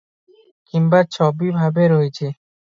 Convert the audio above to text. କିମ୍ବା ଛବି ଭାବେ ରହିଛି ।